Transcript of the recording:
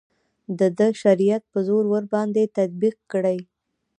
د ده شریعت په زور ورباندې تطبیق کړي.